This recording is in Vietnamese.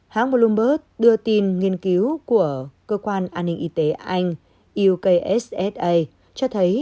hãng bloomberg đưa tin nghiên cứu của cơ quan an ninh y tế anh uksa cho thấy